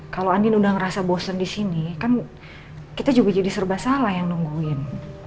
kalau andin udah ngerasa bosen di sini kan kita juga jadi serba salah yang nungguin